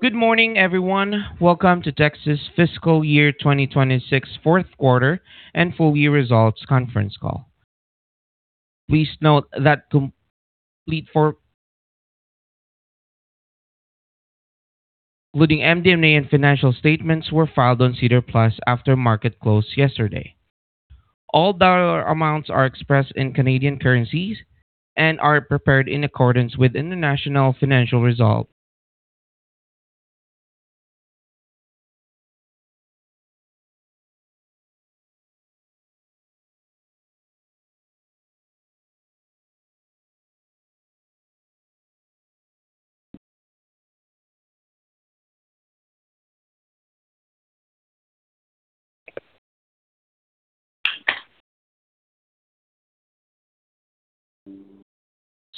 Good morning, everyone. Welcome to Tecsys fiscal year 2026 fourth quarter and full year results conference call. Please note that complete, [inaudible] including MD&A and financial statements, were filed on SEDAR+ after market close yesterday. All dollar amounts are expressed in Canadian currency and are prepared in accordance with International Financial Reporting Standards.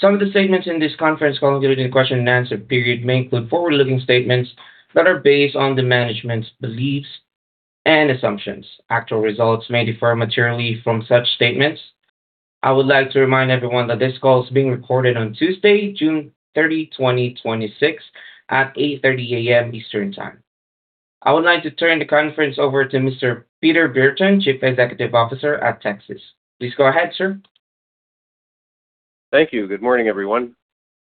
Some of the statements in this conference call, including the question and answer period, may include forward-looking statements that are based on management's beliefs and assumptions. Actual results may differ materially from such statements. I would like to remind everyone that this call is being recorded on Tuesday, June 30, 2026, at 8:30 A.M. Eastern Time. I would like to turn the conference over to Mr. Peter Brereton, Chief Executive Officer at Tecsys. Please go ahead, sir. Thank you. Good morning, everyone.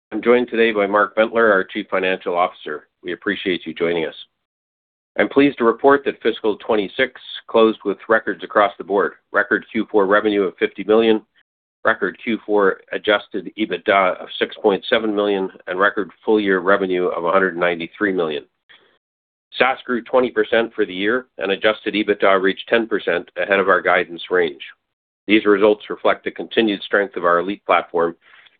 I am joined today by Mark Bentler, our Chief Financial Officer. We appreciate you joining us. I am pleased to report that fiscal 2026 closed with records across the board. Record Q4 revenue of 50 million, record Q4 adjusted EBITDA of 6.7 million, and record full-year revenue of 193 million. SaaS grew 20% for the year, adjusted EBITDA reached 10% ahead of our guidance range. These results reflect the continued strength of our Elite platform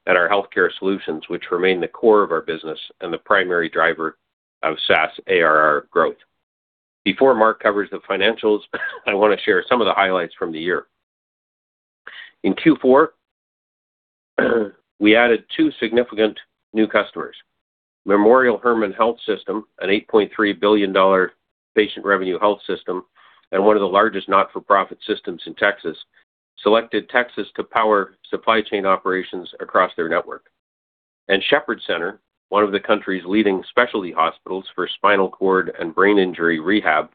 and our healthcare solutions, which remain the core of our business and the primary driver of SaaS ARR growth. Before Mark covers the financials, I want to share some of the highlights from the year. In Q4, we added two significant new customers. Memorial Hermann Health System, a 8.3 billion dollar patient revenue health system and one of the largest not-for-profit systems in Texas, selected Tecsys to power supply chain operations across their network. Shepherd Center, one of the country's leading specialty hospitals for spinal cord and brain injury rehab,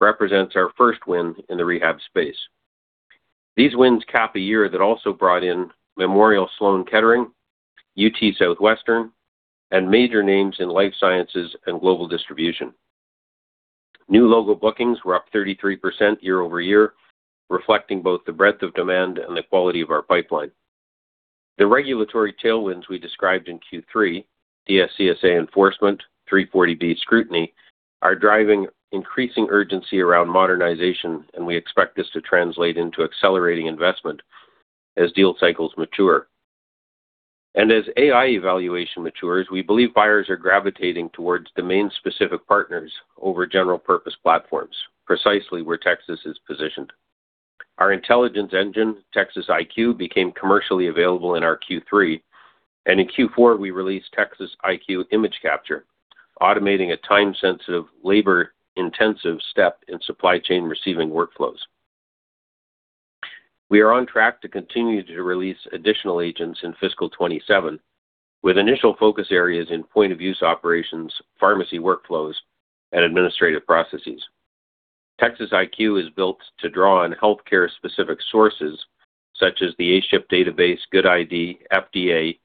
represents our first win in the rehab space. These wins cap a year that also brought in Memorial Sloan Kettering, UT Southwestern, and major names in life sciences and global distribution. New logo bookings were up 33% year-over-year, reflecting both the breadth of demand and the quality of our pipeline. The regulatory tailwinds we described in Q3, DSCSA enforcement, 340B scrutiny, are driving increasing urgency around modernization. We expect this to translate into accelerating investment as deal cycles mature. As AI evaluation matures, we believe buyers are gravitating towards domain-specific partners over general-purpose platforms, precisely where Tecsys is positioned. Our intelligence engine, TecsysIQ, became commercially available in our Q3. In Q4, we released TecsysIQ Image Capture, automating a time-sensitive, labor-intensive step in supply chain receiving workflows. We are on track to continue to release additional agents in Fiscal 2027, with initial focus areas in point-of-use operations, pharmacy workflows, and administrative processes. TecsysIQ is built to draw on healthcare-specific sources such as the ASHP database, GUDID, FDA,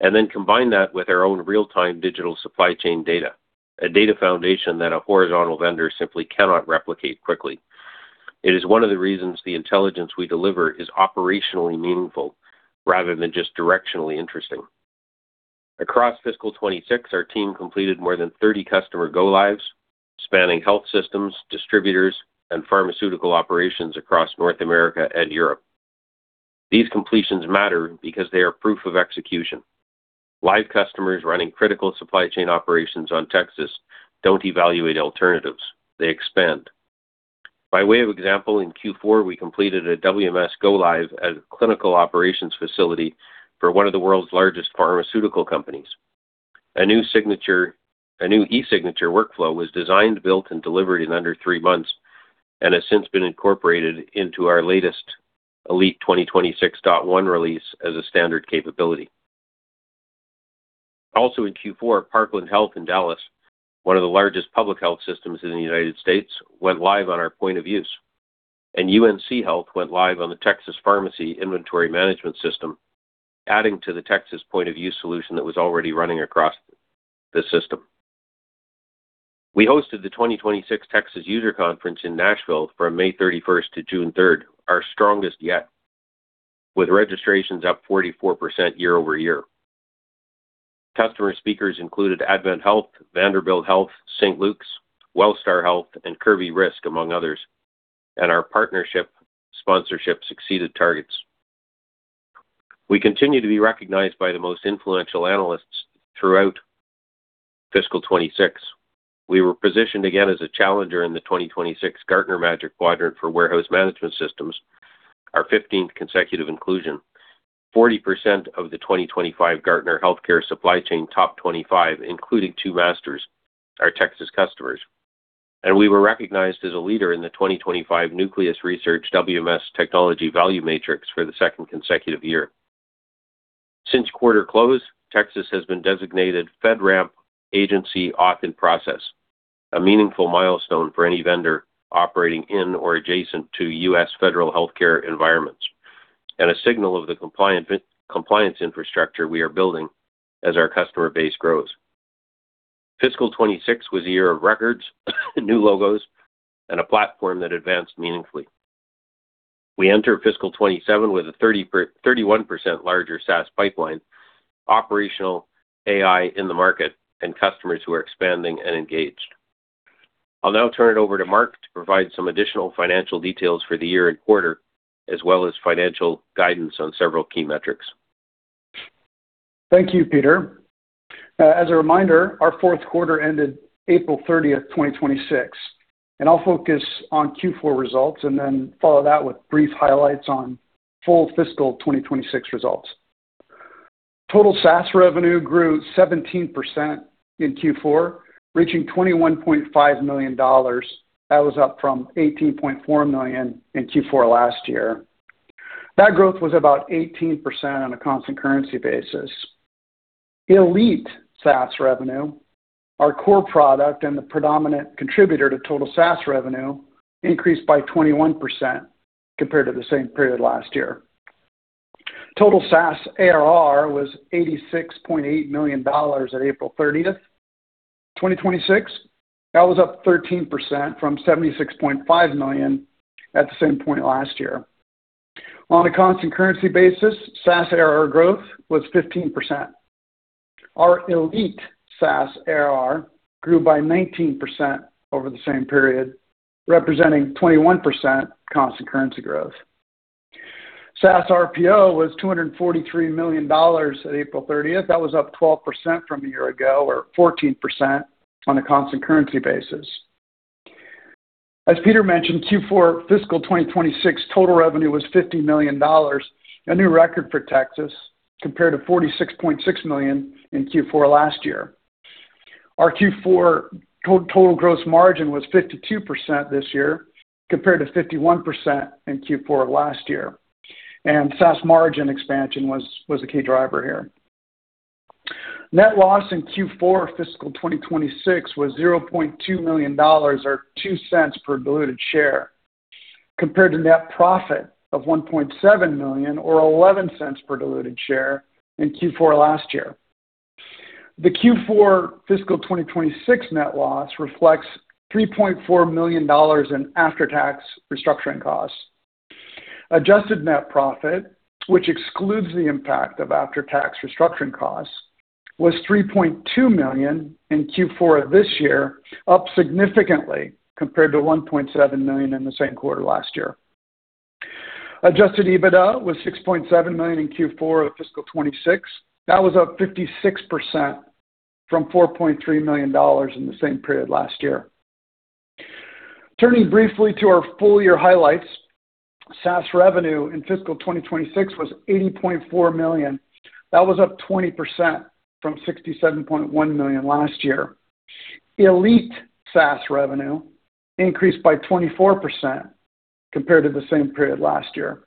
and then combine that with our own real-time digital supply chain data, a data foundation that a horizontal vendor simply cannot replicate quickly. It is one of the reasons the intelligence we deliver is operationally meaningful rather than just directionally interesting. Across fiscal 2026, our team completed more than 30 customer go-lives, spanning health systems, distributors, and pharmaceutical operations across North America and Europe. These completions matter because they are proof of execution. Live customers running critical supply chain operations on Tecsys don't evaluate alternatives. They expand. By way of example, in Q4, we completed a WMS go-live at a clinical operations facility for one of the world's largest pharmaceutical companies. A new e-signature workflow was designed, built, and delivered in under three months and has since been incorporated into our latest Elite 2026.1 release as a standard capability. Also in Q4, Parkland Health in Dallas, one of the largest public health systems in the United States, went live on our point of use, and UNC Health went live on the Tecsys pharmacy inventory management system, adding to the Tecsys point of use solution that was already running across the system. We hosted the 2026 Tecsys User Conference in Nashville from May 31st to June 3rd, our strongest yet, with registrations up 44% year-over-year. Customer speakers included AdventHealth, Vanderbilt Health, St. Luke's, Wellstar Health, and [Corewell Health], among others. Our partnership sponsorship succeeded targets. We continue to be recognized by the most influential analysts throughout fiscal 2026. We were positioned again as a challenger in the 2026 Gartner Magic Quadrant for Warehouse Management Systems, our 15th consecutive inclusion. 40% of the 2025 Gartner Healthcare Supply Chain Top 25, including two masters, are Tecsys customers. We were recognized as a leader in the 2025 Nucleus Research WMS Technology Value Matrix for the second consecutive year. Since quarter close, Tecsys has been designated FedRAMP Agency Auth in process, a meaningful milestone for any vendor operating in or adjacent to U.S. federal healthcare environments, and a signal of the compliance infrastructure we are building as our customer base grows. Fiscal 2026 was a year of records, new logos, and a platform that advanced meaningfully. We enter fiscal 2027 with a 31% larger SaaS pipeline, operational AI in the market, and customers who are expanding and engaged. I'll now turn it over to Mark to provide some additional financial details for the year and quarter, as well as financial guidance on several key metrics. Thank you, Peter. As a reminder, our fourth quarter ended April 30th, 2026. I'll focus on Q4 results and follow that with brief highlights on full fiscal 2026 results. Total SaaS revenue grew 17% in Q4, reaching 21.5 million dollars. That was up from 18.4 million in Q4 last year. That growth was about 18% on a constant currency basis. Elite SaaS revenue, our core product and the predominant contributor to total SaaS revenue, increased by 21% compared to the same period last year. Total SaaS ARR was 86.8 million dollars at April 30th, 2026. That was up 13% from 76.5 million at the same point last year. On a constant currency basis, SaaS ARR growth was 15%. Our Elite SaaS ARR grew by 19% over the same period, representing 21% constant currency growth. SaaS RPO was 243 million dollars at April 30th. That was up 12% from a year ago, or 14% on a constant currency basis. As Peter mentioned, Q4 fiscal 2026 total revenue was 50 million dollars, a new record for Tecsys, compared to 46.6 million in Q4 last year. Our Q4 total gross margin was 52% this year, compared to 51% in Q4 last year, and SaaS margin expansion was a key driver here. Net loss in Q4 fiscal 2026 was 0.2 million dollars, or 0.02 per diluted share, compared to net profit of 1.7 million, or 0.11 per diluted share in Q4 last year. The Q4 fiscal 2026 net loss reflects CAD 3.4 million in after-tax restructuring costs. Adjusted net profit, which excludes the impact of after-tax restructuring costs, was 3.2 million in Q4 of this year, up significantly compared to 1.7 million in the same quarter last year. Adjusted EBITDA was 6.7 million in Q4 of fiscal 2026. That was up 56% from 4.3 million dollars in the same period last year. Turning briefly to our full-year highlights, SaaS revenue in fiscal 2026 was 80.4 million. That was up 20% from 67.1 million last year. Elite SaaS revenue increased by 24% compared to the same period last year.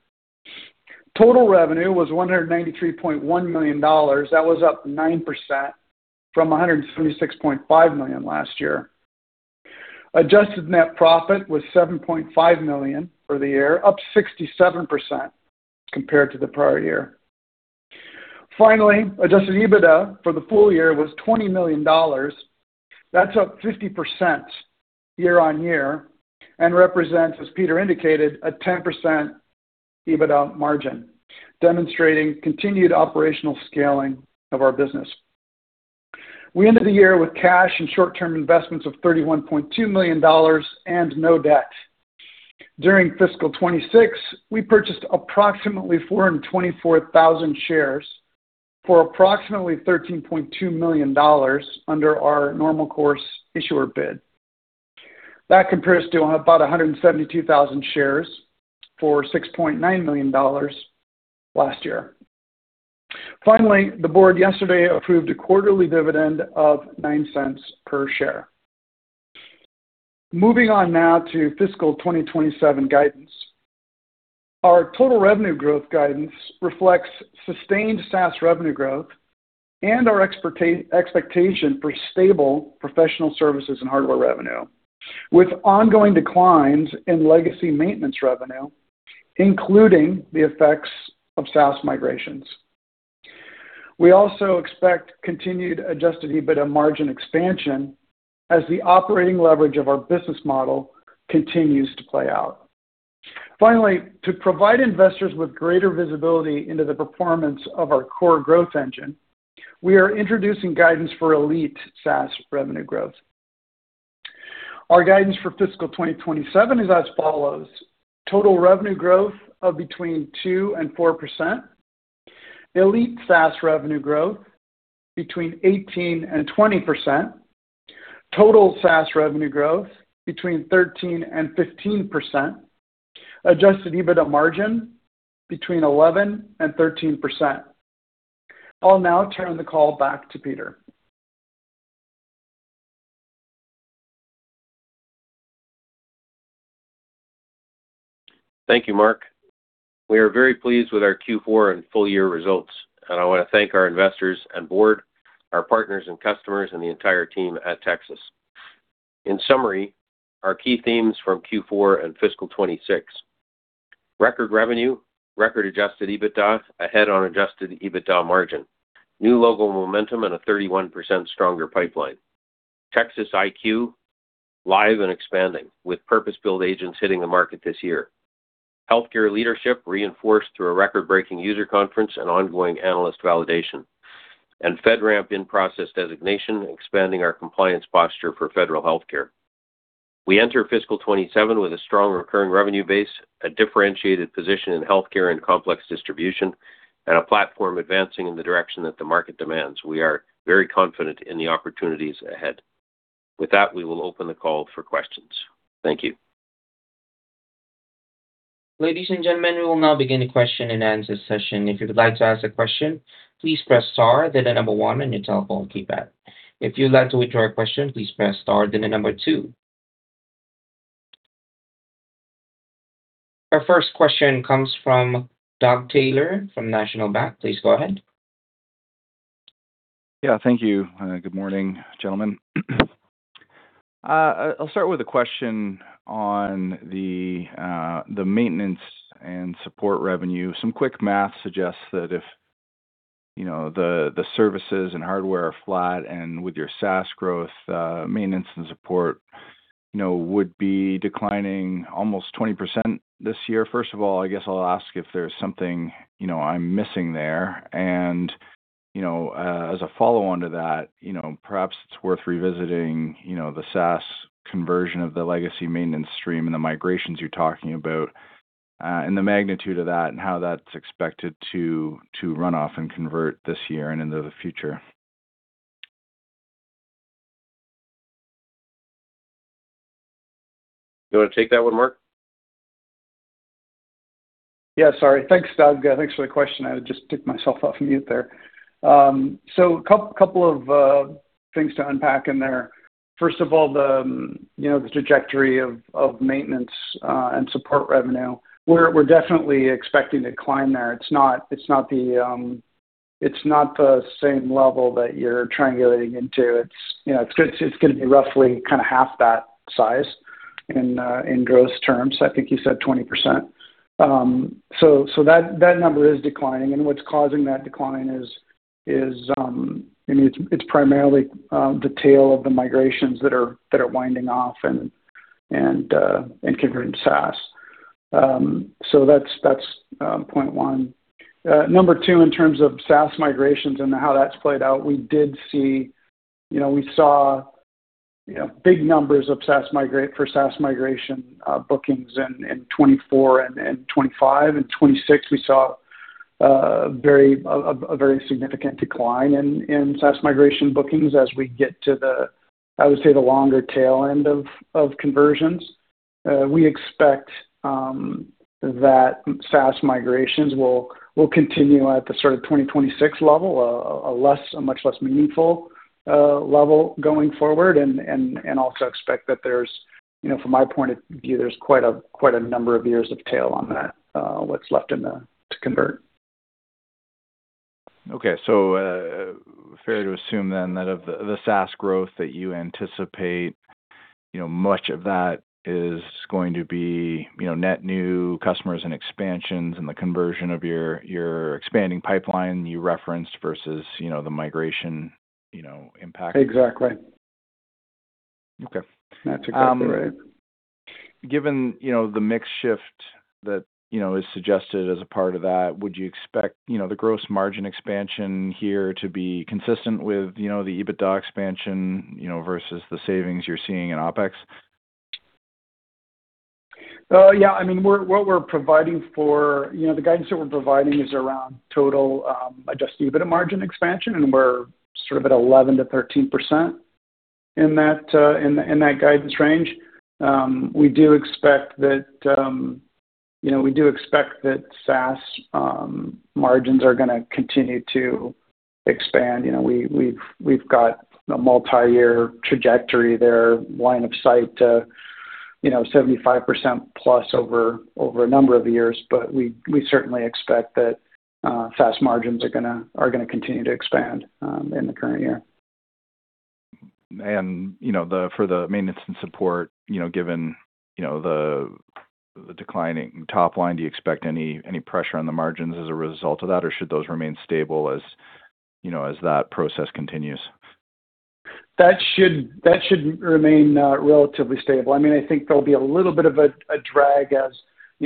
Total revenue was 193.1 million dollars. That was up 9% from 176.5 million last year. Adjusted net profit was 7.5 million for the year, up 67% compared to the prior year. Finally, adjusted EBITDA for the full year was 20 million dollars. That's up 50% year-on-year and represents, as Peter indicated, a 10% EBITDA margin, demonstrating continued operational scaling of our business. We ended the year with cash and short-term investments of 31.2 million dollars and no debt. During fiscal 2026, we purchased approximately 424,000 shares for approximately 13.2 million dollars under our normal course issuer bid. That compares to about 172,000 shares for 6.9 million dollars last year. Finally, the board yesterday approved a quarterly dividend of 0.09 per share. Moving on now to fiscal 2027 guidance. Our total revenue growth guidance reflects sustained SaaS revenue growth and our expectation for stable professional services and hardware revenue, with ongoing declines in legacy maintenance revenue, including the effects of SaaS migrations. We also expect continued adjusted EBITDA margin expansion as the operating leverage of our business model continues to play out. Finally, to provide investors with greater visibility into the performance of our core growth engine, we are introducing guidance for Elite SaaS revenue growth. Our guidance for fiscal 2027 is as follows: Total revenue growth of between 2%-4%. Elite SaaS revenue growth between 18%-20%. Total SaaS revenue growth between 13%-15%. Adjusted EBITDA margin between 11%-13%. I'll now turn the call back to Peter. Thank you, Mark. We are very pleased with our Q4 and full year results, and I want to thank our investors and board, our partners and customers, and the entire team at Tecsys. In summary, our key themes from Q4 and fiscal 2026. Record revenue, record adjusted EBITDA, ahead on adjusted EBITDA margin, new logo momentum, and a 31% stronger pipeline. TecsysIQ, live and expanding, with purpose-built agents hitting the market this year. Healthcare leadership reinforced through a record-breaking user conference and ongoing analyst validation, FedRAMP in-process designation, expanding our compliance posture for federal healthcare. We enter fiscal 2027 with a strong recurring revenue base, a differentiated position in healthcare and complex distribution, and a platform advancing in the direction that the market demands. We are very confident in the opportunities ahead. We will open the call for questions. Thank you. Ladies and gentlemen, we will now begin the question and answer session. If you would like to ask a question, please press star then the number one on your telephone keypad. If you'd like to withdraw a question, please press star then the number two. Our first question comes from Doug Taylor from National Bank. Please go ahead. Thank you. Good morning, gentlemen. I'll start with a question on the maintenance and support revenue. Some quick math suggests that if the services and hardware are flat and with your SaaS growth, maintenance and support would be declining almost 20% this year. I guess I'll ask if there's something I'm missing there. As a follow-on to that, perhaps it's worth revisiting the SaaS conversion of the legacy maintenance stream and the migrations you're talking about, and the magnitude of that and how that's expected to run off and convert this year and into the future. You want to take that one, Mark? Yeah, sorry. Thanks, Doug. Thanks for the question. I had just took myself off mute there. A couple of things to unpack in there. First of all, the trajectory of maintenance and support revenue. We're definitely expecting to climb there. It's not the same level that you're triangulating into. It's going to be roughly half that size in gross terms. I think you said 20%. That number is declining, and what's causing that decline is, it's primarily the tail of the migrations that are winding off and converting to SaaS. That's point one. Number two, in terms of SaaS migrations and how that's played out, we saw big numbers for SaaS migration bookings in 2024 and 2025. In 2026, we saw a very significant decline in SaaS migration bookings as we get to the, I would say, the longer tail end of conversions. We expect that SaaS migrations will continue at the sort of 2026 level, a much less meaningful level going forward, and also expect that there's, from my point of view, there's quite a number of years of tail on that, what's left to convert. Okay. Fair to assume then that of the SaaS growth that you anticipate, much of that is going to be net new customers and expansions and the conversion of your expanding pipeline you referenced versus the migration impact. Exactly. Okay. That's exactly right. Given the mix shift that is suggested as a part of that, would you expect the gross margin expansion here to be consistent with the EBITDA expansion, versus the savings you're seeing in OpEx? Yeah. The guidance that we're providing is around total adjusted EBITDA margin expansion, and we're sort of at 11%-13% in that guidance range. We do expect that SaaS margins are going to continue to expand. We've got a multi-year trajectory there, line of sight to 75%+ over a number of years, we certainly expect that SaaS margins are going to continue to expand in the current year. For the maintenance and support, given the declining top line, do you expect any pressure on the margins as a result of that, or should those remain stable as that process continues? That should remain relatively stable. I think there'll be a little bit of a drag as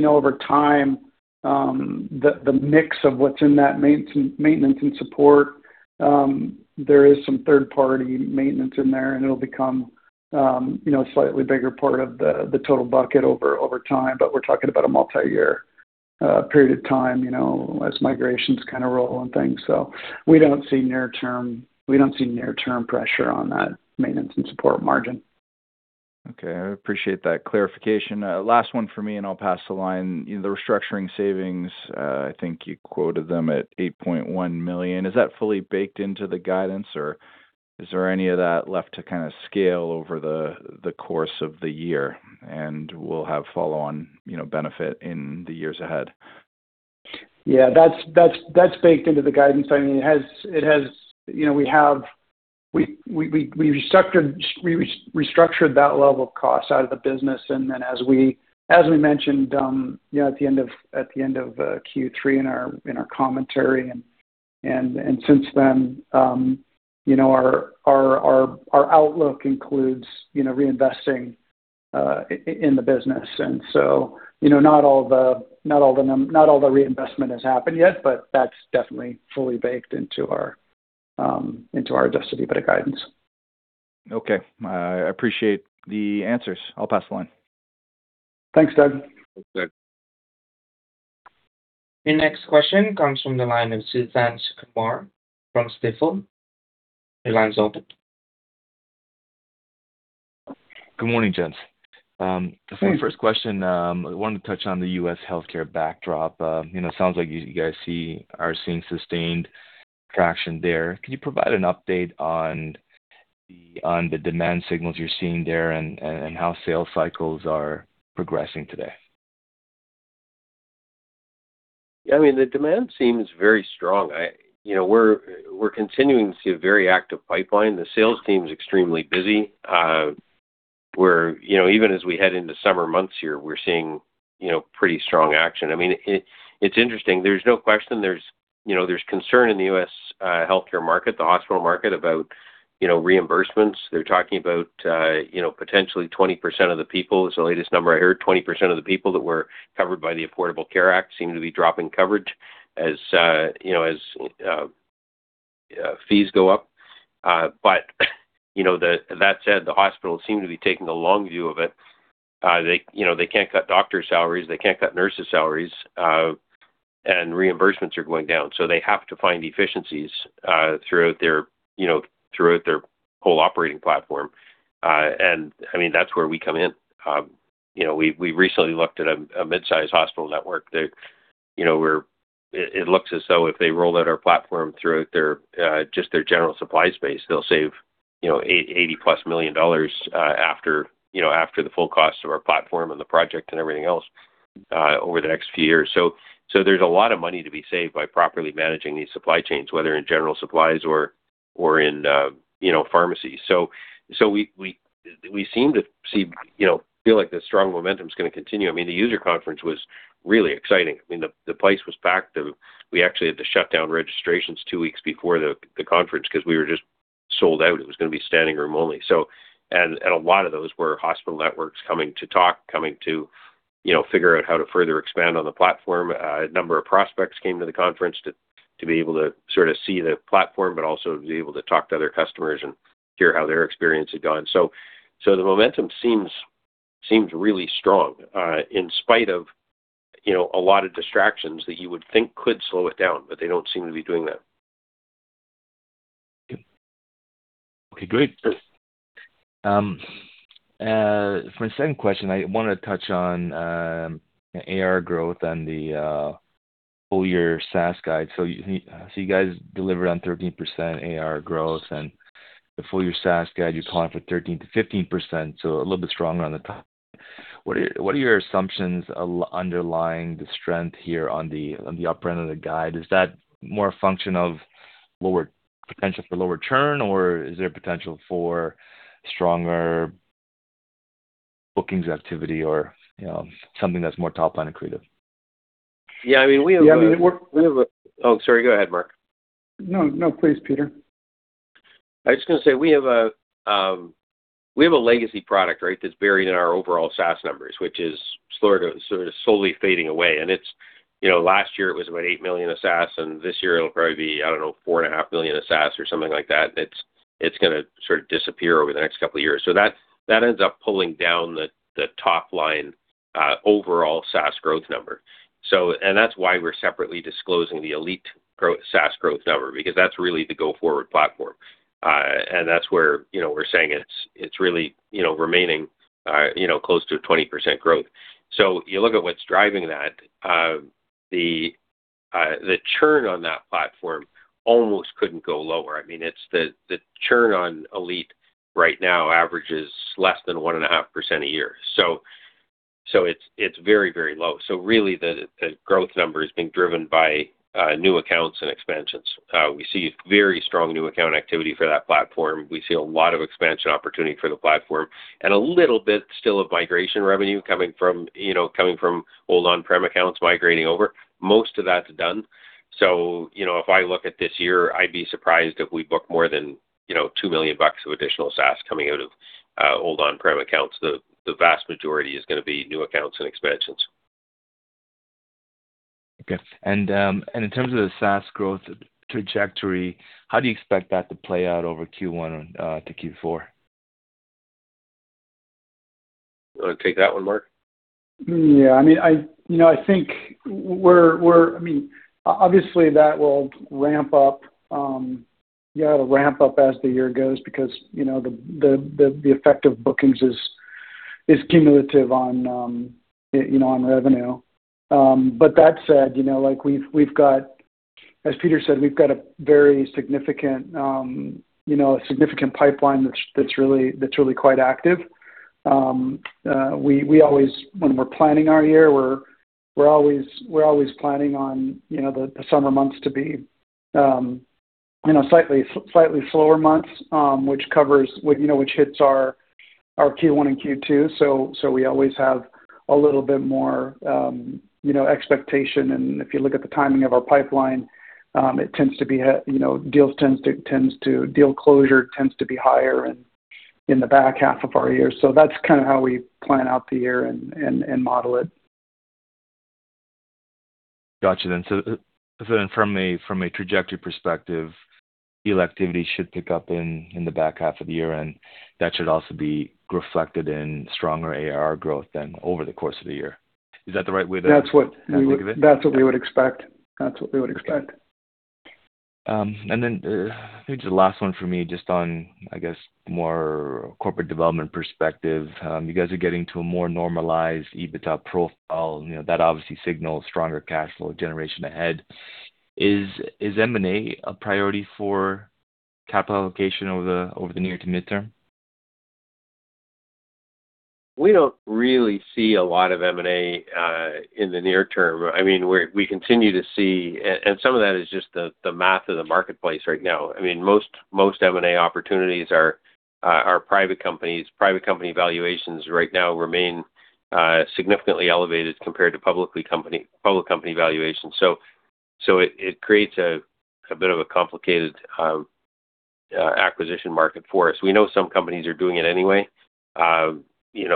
over time, the mix of what's in that maintenance and support, there is some third-party maintenance in there, and it'll become a slightly bigger part of the total bucket over time. We're talking about a multi-year period of time, as migrations kind of roll and things. We don't see near-term pressure on that maintenance and support margin. Okay. I appreciate that clarification. Last one from me, and I'll pass the line. The restructuring savings, I think you quoted them at 8.1 million. Is that fully baked into the guidance? Is there any of that left to scale over the course of the year, and we'll have follow-on benefit in the years ahead? Yeah, that's baked into the guidance. We restructured that level of cost out of the business. As we mentioned at the end of Q3 in our commentary, since then, our outlook includes reinvesting in the business. Not all the reinvestment has happened yet, but that's definitely fully baked into our adjusted EBITDA guidance. Okay. I appreciate the answers. I'll pass the line. Thanks, Doug. Thanks, Doug. The next question comes from the line of Suthan Sukumar from Stifel. Your line's open. Good morning, gents. Morning. For my first question, I wanted to touch on the U.S. healthcare backdrop. It sounds like you guys are seeing sustained traction there. Can you provide an update on the demand signals you're seeing there, and how sales cycles are progressing today? Yeah, the demand seems very strong. We're continuing to see a very active pipeline. The sales team's extremely busy. Even as we head into summer months here, we're seeing pretty strong action. It's interesting. There's no question there's concern in the U.S. healthcare market, the hospital market, about reimbursements. They're talking about potentially 20% of the people, is the latest number I heard, 20% of the people that were covered by the Affordable Care Act seem to be dropping coverage as fees go up. That said, the hospitals seem to be taking the long view of it. They can't cut doctors' salaries. They can't cut nurses' salaries. Reimbursements are going down. They have to find efficiencies throughout their whole operating platform. That's where we come in. We recently looked at a mid-size hospital network that it looks as though if they rolled out our platform throughout just their general supply space, they'll save 80+ million dollars after the full cost of our platform and the project and everything else over the next few years. There's a lot of money to be saved by properly managing these supply chains, whether in general supplies or in pharmacy. We feel like the strong momentum's going to continue. The user conference was really exciting. The place was packed. We actually had to shut down registrations two weeks before the conference because we were just sold out. It was going to be standing room only. A lot of those were hospital networks coming to talk, coming to figure out how to further expand on the platform. A number of prospects came to the conference to be able to sort of see the platform, but also to be able to talk to other customers and hear how their experience had gone. The momentum seems really strong in spite of a lot of distractions that you would think could slow it down, but they don't seem to be doing that. Okay, great. For my second question, I want to touch on ARR growth and the full-year SaaS guide. You guys delivered on 13% ARR growth and the full-year SaaS guide, you're calling for 13%-15%, a little bit stronger on the top. What are your assumptions underlying the strength here on the upper end of the guide? Is that more a function of potential for lower churn, or is there potential for stronger bookings activity or something that's more top-line accretive? Yeah, we have. Yeah, we have. Oh, sorry, go ahead, Mark. No, please, Peter. I was just going to say, we have a legacy product, right? That's buried in our overall SaaS numbers, which is sort of slowly fading away. Last year, it was about 8 million in SaaS, and this year it'll probably be, I don't know, 4.5 million in SaaS or something like that. It's going to sort of disappear over the next couple of years. That ends up pulling down the top line overall SaaS growth number. That's why we're separately disclosing the Elite SaaS growth number, because that's really the go-forward platform. That's where we're saying it's really remaining close to a 20% growth. You look at what's driving that, the churn on that platform almost couldn't go lower. The churn on Elite right now averages less than 1.5% a year. It's very low. Really, the growth number is being driven by new accounts and expansions. We see very strong new account activity for that platform. We see a lot of expansion opportunity for the platform and a little bit still of migration revenue coming from old on-prem accounts migrating over. Most of that's done. If I look at this year, I'd be surprised if we book more than 2 million bucks of additional SaaS coming out of old on-prem accounts. The vast majority is going to be new accounts and expansions. Okay. In terms of the SaaS growth trajectory, how do you expect that to play out over Q1 to Q4? You want to take that one, Mark? Yeah. Obviously, that will ramp up as the year goes because the effect of bookings is cumulative on revenue. That said, as Peter said, we've got a very significant pipeline that's really quite active. When we're planning our year, we're always planning on the summer months to be slightly slower months, which hits our Q1 and Q2, so we always have a little bit more expectation. If you look at the timing of our pipeline, deal closure tends to be higher in the back half of our year. That's kind of how we plan out the year and model it. Got you then. From a trajectory perspective, deal activity should pick up in the back half of the year, and that should also be reflected in stronger ARR growth then over the course of the year. Is that the right way to- That's what- Look at it? That's what we would expect. Okay. Then, maybe the last one from me, just on, I guess, more corporate development perspective. You guys are getting to a more normalized EBITDA profile, that obviously signals stronger cash flow generation ahead. Is M&A a priority for capital allocation over the near to midterm? We don't really see a lot of M&A in the near term. We continue to see some of that is just the math of the marketplace right now. Most M&A opportunities are private companies. Private company valuations right now remain significantly elevated compared to public company valuations. It creates a bit of a complicated acquisition market for us. We know some companies are doing it anyway.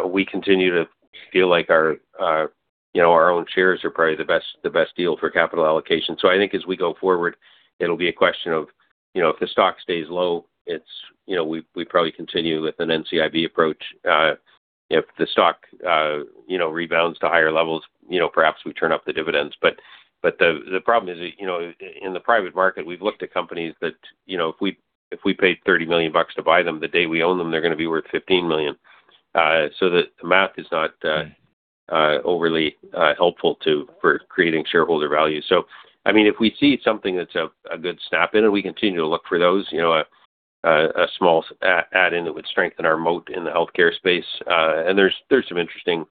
We continue to feel like our own shares are probably the best deal for capital allocation. I think as we go forward, it'll be a question of, if the stock stays low, we probably continue with an NCIB approach. If the stock rebounds to higher levels, perhaps we turn up the dividends. The problem is, in the private market, we've looked at companies that, if we paid 30 million bucks to buy them, the day we own them, they're gonna be worth 15 million. The math is not overly helpful for creating shareholder value. If we see something that's a good snap-in, and we continue to look for those, a small add-in that would strengthen our moat in the healthcare space. There's some interesting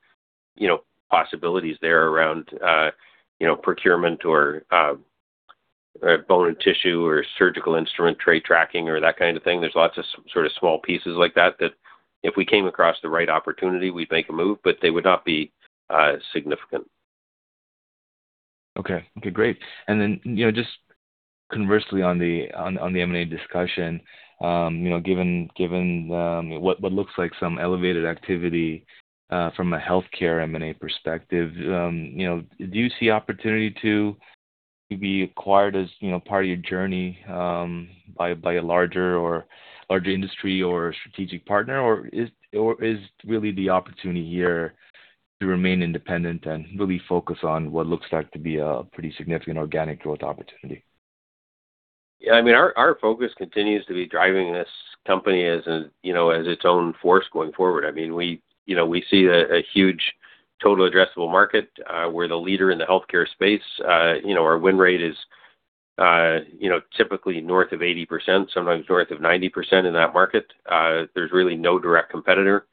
possibilities there around procurement or bone and tissue or surgical instrument tray tracking or that kind of thing. There's lots of sort of small pieces like that if we came across the right opportunity, we'd make a move, but they would not be significant. Okay. Great. Just conversely on the M&A discussion, given what looks like some elevated activity from a healthcare M&A perspective, do you see opportunity to be acquired as part of your journey by a larger industry or a strategic partner? Or is really the opportunity here to remain independent and really focus on what looks like to be a pretty significant organic growth opportunity? Yeah. Our focus continues to be driving this company as its own force going forward. We see a huge total addressable market. We're the leader in the healthcare space. Our win rate is typically north of 80%, sometimes north of 90% in that market. There's really no direct competitor.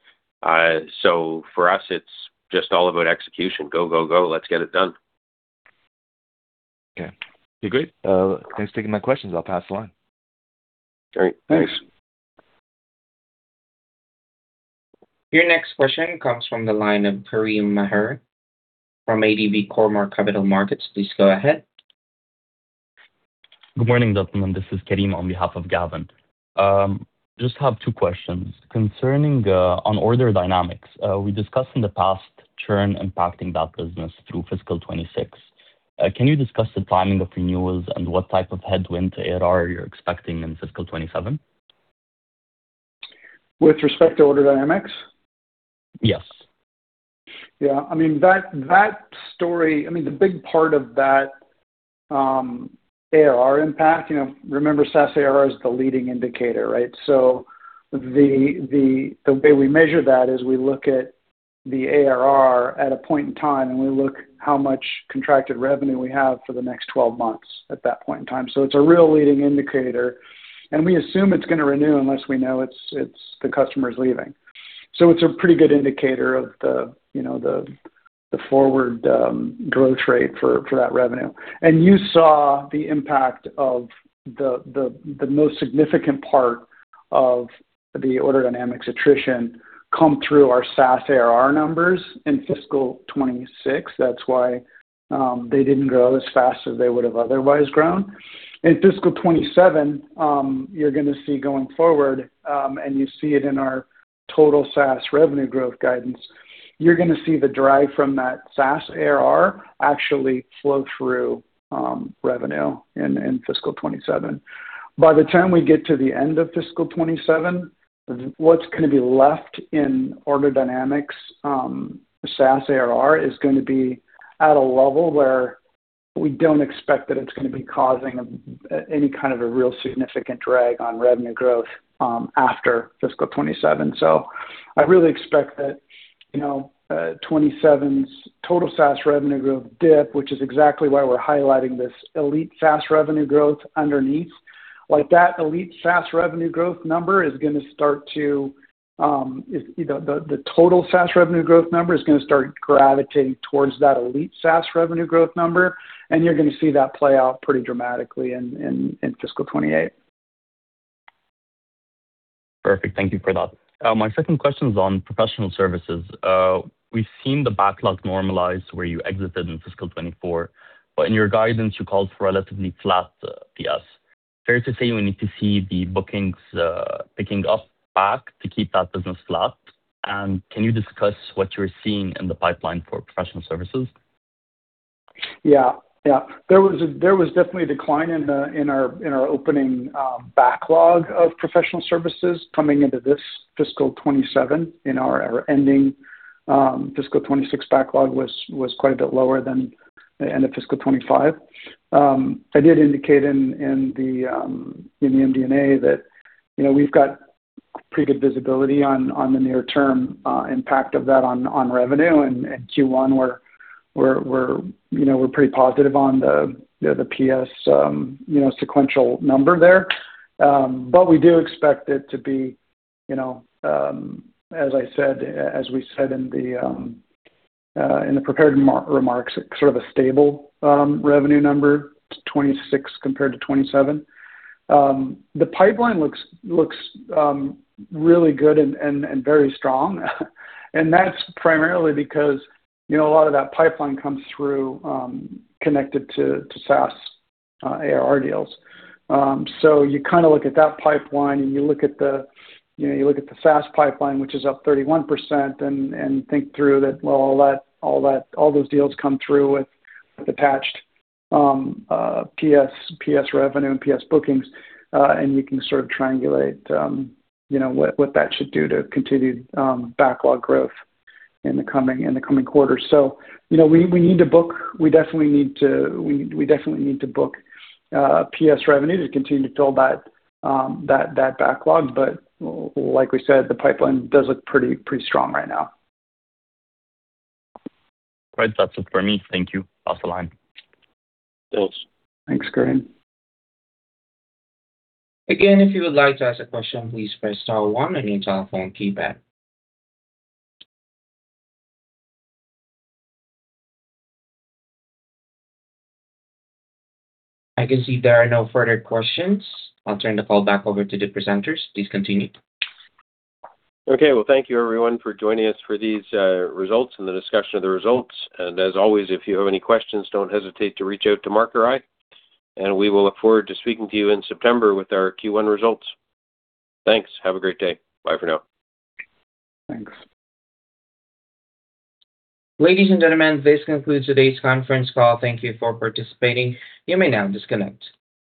For us, it's just all about execution. Go, go. Let's get it done. Okay. Great. Thanks for taking my questions. I'll pass the line. Great. Thanks. Your next question comes from the line of Karim Maher from ATB Cormark Capital Markets. Please go ahead. Good morning, gentlemen. This is Karim on behalf of Gavin. Just have two questions. Concerning OrderDynamics, we discussed in the past churn impacting that business through fiscal 2026. Can you discuss the timing of renewals and what type of headwind to ARR you're expecting in fiscal 2027? With respect to OrderDynamics? Yes. The big part of that ARR impact, remember SaaS ARR is the leading indicator, right? The way we measure that is we look at the ARR at a point in time, and we look how much contracted revenue we have for the next 12 months at that point in time. It's a real leading indicator, and we assume it's going to renew unless we know the customer's leaving. It's a pretty good indicator of the forward growth rate for that revenue. You saw the impact of the most significant part of the OrderDynamics attrition come through our SaaS ARR numbers in fiscal 2026. That's why they didn't grow as fast as they would have otherwise grown. In fiscal 2027, you're gonna see going forward, and you see it in our total SaaS revenue growth guidance, you're gonna see the drive from that SaaS ARR actually flow through revenue in fiscal 2027. By the time we get to the end of fiscal 2027, what's gonna be left in OrderDynamics SaaS ARR is going to be at a level where we don't expect that it's going to be causing any kind of a real significant drag on revenue growth after fiscal 2027. I really expect that 2027's total SaaS revenue growth dip, which is exactly why we're highlighting this Elite SaaS revenue growth underneath, the total SaaS revenue growth number is going to start gravitating towards that Elite SaaS revenue growth number, and you're going to see that play out pretty dramatically in fiscal 2028. Perfect. Thank you for that. My second question is on professional services. We've seen the backlog normalize where you exited in fiscal 2024, but in your guidance, you called for relatively flat PS. Fair to say we need to see the bookings picking up back to keep that business flat? Can you discuss what you're seeing in the pipeline for professional services? Yeah. There was definitely a decline in our opening backlog of professional services coming into this fiscal 2027. In our ending fiscal 2026 backlog was quite a bit lower than the end of fiscal 2025. I did indicate in the MD&A that we've got pretty good visibility on the near-term impact of that on revenue, and Q1, we're pretty positive on the PS sequential number there. We do expect it to be, as we said in the prepared remarks, sort of a stable revenue number, 2026 compared to 2027. The pipeline looks really good and very strong and that's primarily because a lot of that pipeline comes through connected to SaaS ARR deals. You look at that pipeline, and you look at the SaaS pipeline, which is up 31%, and think through that, well, all those deals come through with attached PS revenue and PS bookings, and you can sort of triangulate what that should do to continued backlog growth in the coming quarters. We definitely need to book PS revenue to continue to fill that backlog. Like we said, the pipeline does look pretty strong right now. Great. That's it for me. Thank you. I'll stay on the line. Thanks, Karim. Again, if you would like to ask a question, please press star one on your telephone keypad. I can see there are no further questions. I'll turn the call back over to the presenters. Please continue. Okay. Well, thank you everyone for joining us for these results and the discussion of the results. As always, if you have any questions, don't hesitate to reach out to Mark or I, and we will look forward to speaking to you in September with our Q1 results. Thanks. Have a great day. Bye for now. Thanks. Ladies and gentlemen, this concludes today's conference call. Thank you for participating. You may now disconnect.